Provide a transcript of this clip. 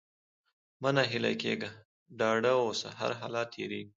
مه ناهيلی کېږه! ډاډه اوسه! هرحالت تېرېږي.